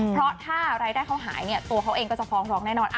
เพราะถ้ารายได้เขาหายเนี่ยตัวเขาเองก็จะฟ้องร้องแน่นอน